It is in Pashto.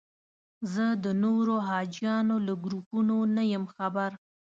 زه د نورو حاجیانو له ګروپونو نه یم خبر.